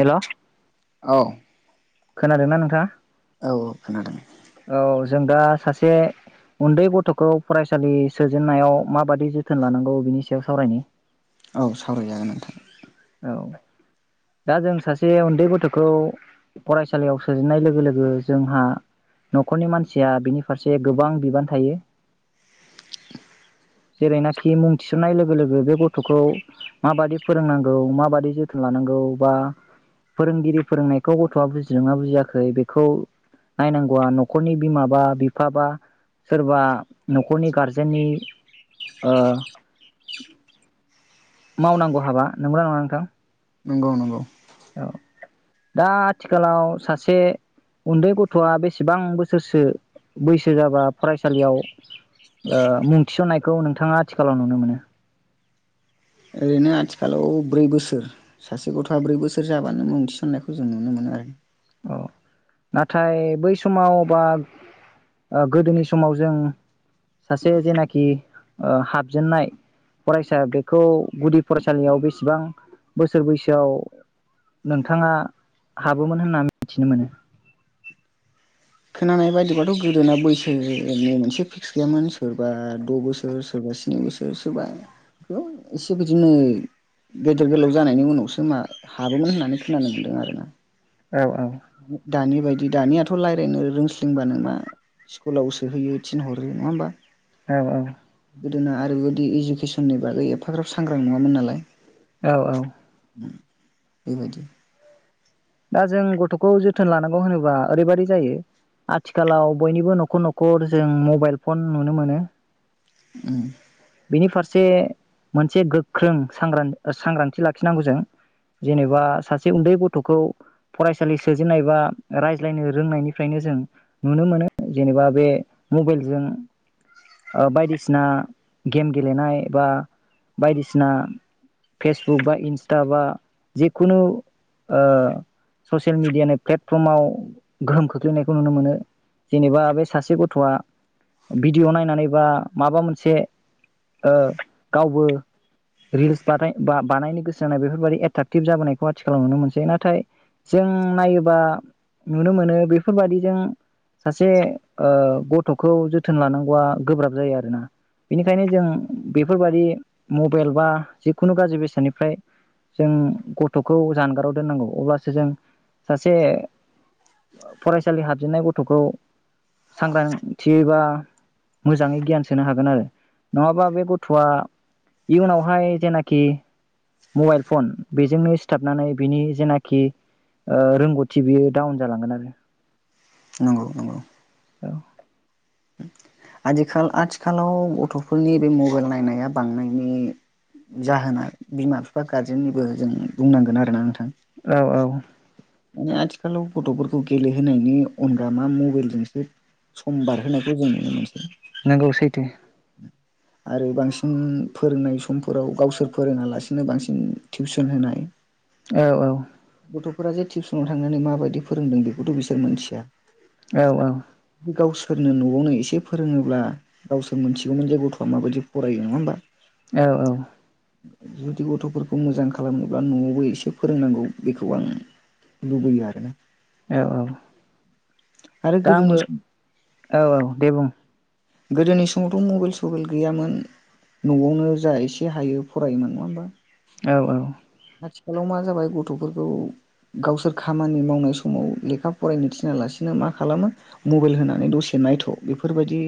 हेल' औ खोनादोंना नोंथाङा औ औ खनादों औ जों दा सासे उन्दै गथ'खौ फरायसालि सोजेननायाव माबाददि जोथोन लानांगौ बिनि सायाव सावरायनि औ सावरायजागोन नोंथां औ दा जों सासे उन्दै गथ'खौ फरायसालियाव सोजेननाय लोगो लोगो जोंहा न'खरनि मानसिया बिनि फारसे गोबां बिबान थायो जेरैनाखि मुं थिसननाय लोगो लोगो बे गथ'खौ माबादि फोरोंनांगौ माबादि जोथोन लानांगौ? बा फोरोंगिरि फोरोंनायखौ गथ'आ बुजिदोंना बुजियाखै बेखौ नायनांगौआ न'खरनि बिमा बा बिफा बा सोरबा न'खरनि गारजेननि ओ मावनांगौ हाबा नंगौना नङा नोंथां? नंगौ नंगौ औ दा आथिखालाव सासे उन्दै गथ'आ बेसेबां बोसोरसो बैसो जाबा फरायसालियाव मुं थिसन्नायखौ नोंथाङा आथिखालाव नुनो मोनो? ओरैनो आथिखालाव ब्रै बोसोर सासे गथ'आ ब्रै बोसोर जाब्लानो मुं थिसन्नायखौ जों नुनो मोनो आरो। औ नाथाय बै समाव बा ओ गोदोनि समाव जों सासे जेनाखि ओ हाबजेननाय फरायसा बेखौ गुदि फरायसालियाव बेसेबां बोसोर बैसोआव नोंथाङा हाबोमोन होननानै मिथिनो मोनो खोनानाय बायदिब्लाथ' गोदोना बैसोनि मोनसे फिक्स गैयामोन सोरबा द' बोसोर सोरबा स्नि बोसोर सोरबा एसे बिदिनो गेदेर गोलाव जानायनि उनावसो हाबोमोन होननानै खोनानो मोन्दों आरोना। औ औ दानि बायदि दानियाथ' रायज्लायनो रोंसलिंबा नों मा स्कुलाव सोहैयो थिनहरो नङा होमबा? औ औ गोदोना आरोबायदि इडुकेसननि बागै एफाग्राब सांग्रां नङामोन नालाय औ औ उम बेबायदि दा जों गथखौ जोथोन लानांगौ होनोबा ओरैबायाददि जायो आथिखालाव बयनिबो नखर नखर जों मबाइल फन नुनो मोनो। उम बेनि फारसे मोनसे गोख्रों सांग्रां सांग्रांथि लाखिनांगौ जों, जेनेबा सासे उन्दै गथखौ फरायसालि सोजेननाय बा रायज्लायनो रोंनायनिफ्रायनो जों नुनो मोनो जेनेबा बे मबाइलजों ओ बायदिसिना गेम गेलेनाय बा बायदिसिना फेसबुक बा इन्सटा बा जिखुनु ओ ससियेल मेडियानि प्लेटफर्माव गोहोम खोख्लैनायखौ नुनो मोनो। जेनेबा बे सासे गथआ भिडिअ नायनानै बा माबा मोनसे ओ गावबो रिल्स बानाय बा बानायनो गोसो होनानाय बेफोरबायाददि एटाकटिभ जाबोनायखौ आथिखालाव नुनो मोनसै। नाथाय जों नायोबा नुनो मोनो बेफोरबादि जों सासे ओ गथखौ जोथोन लानांगौआ गोब्राब जायो आरोना। बेनिखायनो जों बेफोरबादि मबाइल बा जिखुनु गाज्रि बेसादनिफ्राय जों गथखौ जानगाराव दोननांगौ। अब्ला जों सासे फरायसालि हाबजेननाय गथखौ सांग्रांथि बा मोजाङै गियान सोनो हागोन आरो, नङाबा बे गथआ इयुनावहाय जेनाखि मबाइल फन बेजोंनो सिथाबनानै बिनि जेना खि ओ रोंगौथि बियो डाउन जालांगोन आरो। नंगौ नंगौ औ आदिखाल आथिखालाव गथफोरनि बे मबाइल नायनाया बांनायनि जाहोना बिमा बिफा गारजेननिबो जों बुंनांगोन आरोना नोंथां। औ औ आथिखालाव गथफोरखौ गेलेहोनायनि अनगा मा मबाइलजोंसो सम बारहोनायखौ जों नुनो मोनसै। नंगौ सैथो आरो बांसिन फोरोंनाय समफोराव गावसोर फोरोङालासिनो बांसिन टिउसन होनाय। औ औ गथ'फोरा जे टिउसनाव थांनानै माबायदि फोरोंदों बेखौथ बिसोर मिथिया। औ औ गावसोरनो न'आवनो एसे फोरोङोब्ला गावसोर मोनथिगौमोन जे गथआ माबायदि फरायो नङा होमबा? औ औ जुदि गथफोरखौ मोजां खालामोब्ला न'आवबो एसे फोरोंनांगौ बेखौ आं लुबैयो आरोना। औ औ आरो दा गोदोनि आंबो सम औ औ दे बुं गोदोनि समावथ मबाइल सबाइल गैयामोन नआवनो जा एसे हायो फरायोमोन नङा होमबा? औ औ आथिखालाव मा जाबाय गथफोरखौ गावसोर खामानि मावनाय समाव लेखा फरायनो थिनालासिनो मा खालामो मबाइल होनानै दसे नायथ' बेफोरबायदि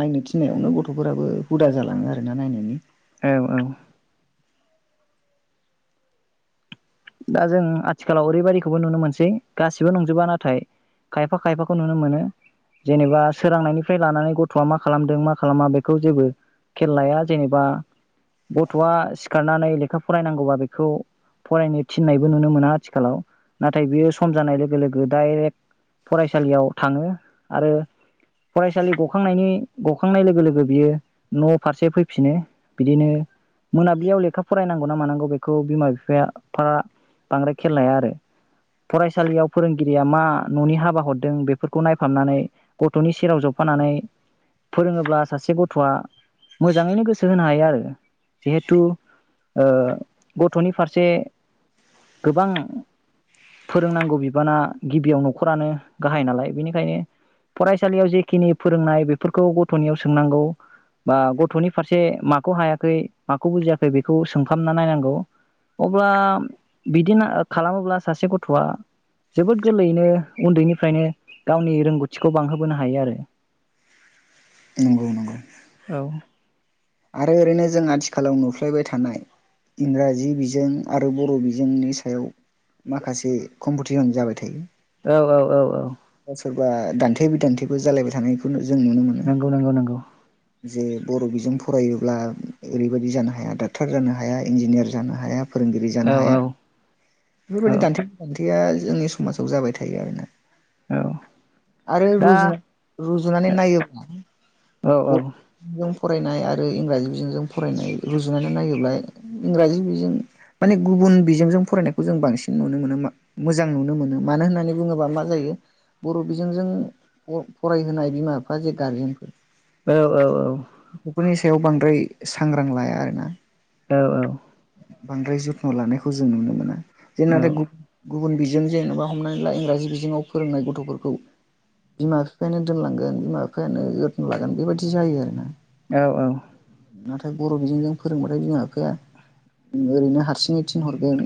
नायनो थिनायावनो गथफोराबो हुदा जालाङो आरोना नायनायनि। औ औ दा जों आथिखालाव ओरैबायाददिखौबो नुनो मोनसै गासिबो नंजोबा नाथाय, खायफा खायफाखौ नुनो मोनो जेनेबा सोरांनायनिफ्राय लानानै गथ'आ मा खालामदों मा खालामा बेखौ जेबो खेल लाया जेनेबा गथ'आ सिखारनानै लेखा फरायनांगौबा बेखौ फरायनो थिननायबो नुनो मोना आथिखालाव, नाथाय बियो सम जानाय लोगो लोगो दडाइरेक्ट फरायसालियाव थाङो। आरो फरायसालि गखांनायनि गखांनाय लोगो-लोगो बियो न' फारसे फैफिनो। बिदिनो मोनाब्लियाव लेखा फरायनांगौ ना मानांगौ बेखौ बिमा बिफाया फा बांद्राय खेल लाया आरो। फरायसालियाव फोरोंगिरिया मा न'नि हाबा हरदों बेफोरखौ नायफामनानै गथ'नि सेराव जफानानै फोरोङोब्ला सासे गथ'आ मोजाङैनो गोसो होनो हायो आरो। जिहेथु ओ गथ'नि फारसे गोबां फोरोंनांगौ बिबाना गिबियाव नखरानो गाहाइ नालाय। बेनिखायनो फरायसालियाव जेखिनि फोरोंनाय बेफोरखौ गथनियाव सोंनांगौ। बा गथनि फारसे माखौ हायाखै माखौ बुजियाखै बेखौ सोंफामना नायनांगौ। अब्ला बिदिनो खालामोब्ला सासे गथआ जोबोद गोरलैयैनो उन्दैनिफ्रायनो गावनि रोंगौथिखौ बांहोबोनो हायो आरो। नंगौ नंगौ औ आरो ओरैनो जों आथिखालाव नुफ्लेबाय थानाय इंराजि बिजों आरो बर बिजोंनि सायाव माखासे कम्पटिसन जाबाय थायो। औ औ औ औ सोरबा दान्थे बिदान्थेबो जालायबाय थानायखौ नु नंगौ नंगौ नंगौ जे बर' बिजों फरायोब्ला ओरैबायदि जानो हाया डाक्टार जानो हाया इन्जिनियार जानो हाया- फोरोंगिरि औ जानो औ हाया, औ बेफोरबायदि दान्थे [unintelligible] या जोंनि समाजाव जाबाय थायो आरोना। औ आरो दा रुजु रुजुनानै नायोब्ला औ औ बुं फरायनाय आरो इंराजि बिजोंजों फरायनाय रुजुनानै नायोब्ला इंराजि बिजों माने गुबुन बिजोंजों फरायनायखौ जों बांसिन नुनो मोनो मोजां नुनो मोनो मानो होननानै बुङोबा मा जायो बर' बिजोंजों फरायहोनाय बिमा बिफा जे गारजेनफोर औ औ औ बेफोरनि सायाव बांद्राय सांग्रां लाया आरोना औ औ बांद्राय जोथोन लानायखौ जों नुनो मोना। औ [unintelligible] गुबुन बिजों जेनेबा हमनानै ला इंराजि बिजोङाव फोरोंनाय गथ'फोरखौ बिमा बिफायानो दोनलांगोन बिमा बिफायानो जोथोन लागोन बेबायदि बिदि जायो आरो ना औ औ बर' बिजोंजों फोरोंबाथाय जों बिमा बिफाया ओरैनो हारसिङै थिनहरगोन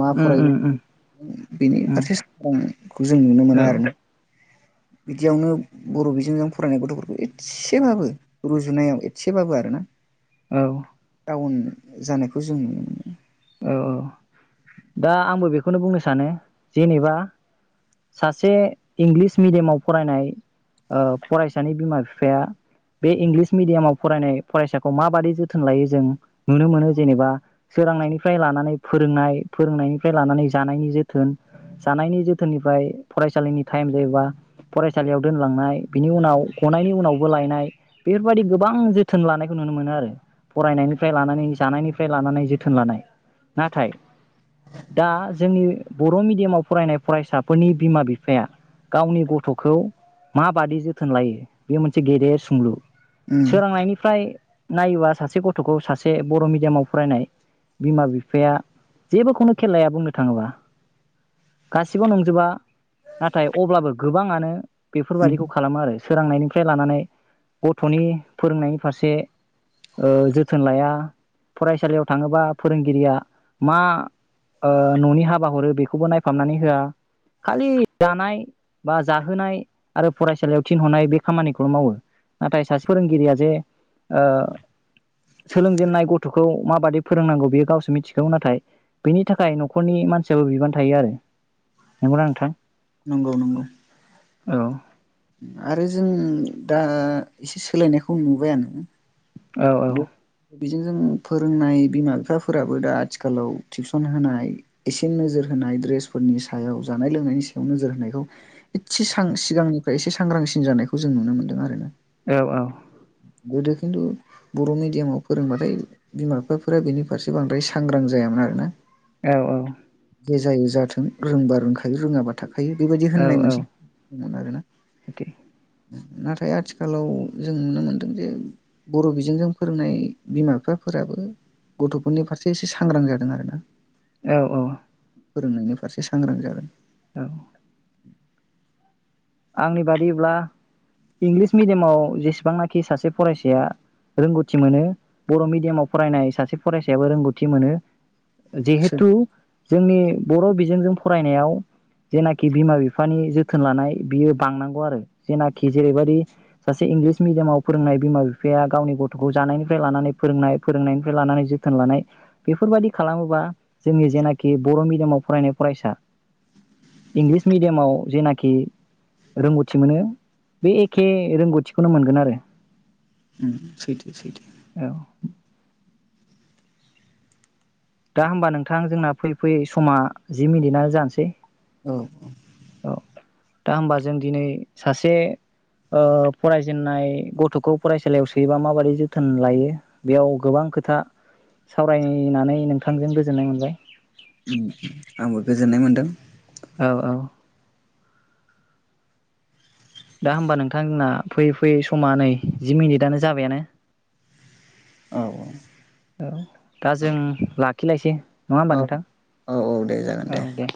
मा उम फरायबो उम उम बेनि उम फारसे सांग्रांखौ जों नुनो मोना औ आरोना बिदियावनो बर' बिजोंजों फरायनाय गथ'फोरखौ इद बाबो रुजुनायाव एसेबाबो आरोना औ उन जानायखौ जों नुनो मोनो औ औ दा आंबो बेखौनो बुंनो सानो जेनेबा सासे इंलिस मिडियामाव फरायनाय फरायसानि बिमा बिफाया बे इंलिस मिडियामाव फरायनाय फरायसाखौ माबादि जोथोन लायो जों नुनो मोनो जेनेबा सोरांनायनि फ्राय लानानै फोरोंनाय फोरोंनायनिफ्राय लानानै जानायनि जोथोन जानायनि जोथोननिफ्राय फरायसालिनि टाइम जायोबा फरायसालियाव दोनलांनाय बिनि उनाव गनायनि उनावबो लायनाय बेफोरबायदि गोबां जोथोन लानायखौ नुनो मोनो आरो फरायनायनिफ्राय लानानै जानायनिफ्राय लानानै जोथोन लानाय। नाथाय दा जोंनि बर' मिडियामाव फरायनाय फरायसाफोरनि बिमा बिफाया गावनि गथ'खौ माबादि जोथोन लायो बे मोनसे गेदेर सोंलु मोनो सोरांनायनिफ्राय नायोबा सासे गथ'खौ सासे बर' मिडियामाव फरायनाय बिमा बिफाया जेबोखौनो खेललाया बुंनो थाङोबा गासिबो नंजोबा नाथाय अब्लाबो गोबाङानो बेफोरबायदिखौ खालामो आरो सोरांनायनिफ्राय लानानै गथ'नि फोरोंनायनि फारसे ओ जोथोन लाया फरायसालियाव थाङोबा फोरोंगिरिया मा ओ न'नि हाबा हरो बेखौबो नायफामनानै होआ खालि जानाय बा जाहोनाय आरो फरायसालियाव थिनहरनाय बे खामानिखौल' मावो नाथाय सासे फोरोंगिरिया जे सोलोंजेननाय गथ'खौ माबादि फोरोंनांगौ बेयो गावसो मिथिखागौ नाथाय बेनि थाखाय न'खरनि मानसियाबो बिबान थायो आरो नंगौना नोंथां? नंगौ नंगौ औ आरो जों दा एसे सोलायनायखौ नुबायानो। औ औ बिनो जों फोरोंनाय बिमा बिफाफोराबो दा आथिखालाव टिउसन होनाय एसे नोजोर होनाय ड्रेसफोरनि सायाव जानाय लोंनायनि सायाव नोजोर होनायखौ एसे सां सिगांनिफ्राय एसे सांग्रांसिन जानायखौ जों नुनो मोनदों आरोना औ औ गोदो खिन्थु बर' मिडियामाव फोरोंबाथाय बिमा बिफाफोरा बेनि फारसे बांद्राय सांग्रां जायामोन आरोना। औ औ। दे जायो जाथों रोंबा रोंखायो रोङाबा थाख फायो बेबायदि होननाय मोनसे औ आरोना। नाथाय आथिखालाव जों नुनो मोनदों जे बर' बिजोंजों फोरोंनाय बिमा बिफाफोराबो गथ'फोरनि फारसे एसे सांग्रां जादों आरोना। औ औ। फोरोंनायनि फारसे सांग्रां जागोन। औ। आंनि बादिब्ला इंलिस मिडियामाव जेसेबांनाखि सासे फरायसाया रोंगौथि मोनो बर' मिडियामाव फरायनाय सासे फरायसायाबो रोंगौथि मोनो। जिहेतु जोंनि बर' बिजोंजों फरायनायाव जेनाखि बिमा बिफानि जोथोन लानाय बियो बांनांगौ आरो जेनाखि जेरैबायदि सासे इंलिस मिडियामाव फोरोंनाय बिमा बिफाया गावनि गथ'खौ जानायनिफ्राय लानानै फोरोंनाय फोरोंनायनिफ्राय लानानै जोथोन लानाय बेफोरबायाददि खालामोबा जोंनि जेनाखि बर' मिडियामाव फरायनाय फरायसा इंलिस मिडियामाव जेनाखि रोंगौथि मोनो बे एखे रोंगौथिखौनो मोनगोन आरो। उम सैथो सैथो। औ दा होमबा नोंथां जोंना फैयै फैयै समा जि मिनिटानो जानोसै। औ औ। औ दा होमबा जों दिनै सासे ओ फरायजेननाय गथ'खौ फरायसालियाव सोयोबा माबायदि जोथोन लायो बेयाव गोबां खोथा सावरायनानै नोंथां थांजों गोजोननाय मोनबाय। आंबो गोजोननाय मोन्दों। औ औ। दा होमबा नोंथां जोंना फैयै फैयै समा नै जि मिनिटानो जाबायानो औ औ दा जों लाखिलायसै। नङा होमबा औ नोंथां। औ औ दे जागोन औ दे।